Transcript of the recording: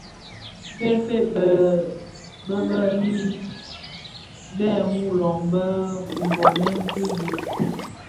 Fëfë, bëbëni bè muloň bë koomèn ki bituu.